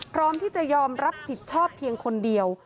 พร้อมที่จะยอมรับผิดชอบเพียงคนเดียว